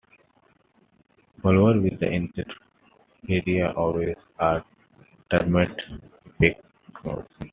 Flowers with inferior ovaries are termed epigynous.